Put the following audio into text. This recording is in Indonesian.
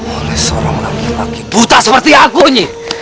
oleh seorang nabi lagi buta seperti aku nyi